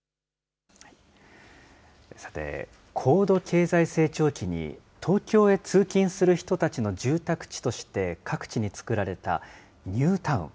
さて、高度経済成長期に東京へ通勤する人たちの住宅地として各地に作られたニュータウン。